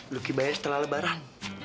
lucky bayar setelah lebaran